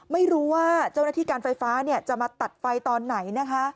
ไม่รู้ว่าเจ้าหน้าที่การไฟฟ้าจะมาตัดไฟตอนไหนนะคะ